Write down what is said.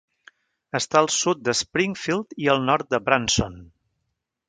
Està al sud de Springfield i al nord de Branson.